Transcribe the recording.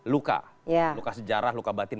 luka luka sejarah luka batin